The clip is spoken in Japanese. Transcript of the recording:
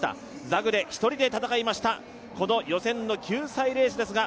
ザグレ１人で戦いました、この予選の救済レースですが、